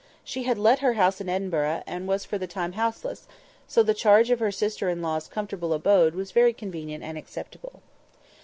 She had let her house in Edinburgh, and was for the time house less, so the charge of her sister in law's comfortable abode was very convenient and acceptable.